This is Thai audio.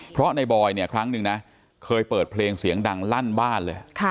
เพราะในบอยเนี่ยครั้งหนึ่งนะเคยเปิดเพลงเสียงดังลั่นบ้านเลย